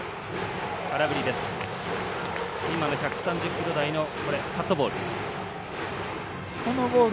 １３０キロ台のカットボール。